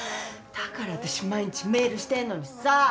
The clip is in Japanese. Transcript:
だから私毎日メールしてるのにさ！